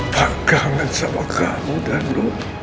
apa gangguan sama kamu danu